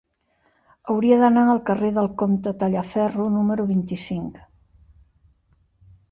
Hauria d'anar al carrer del Comte Tallaferro número vint-i-cinc.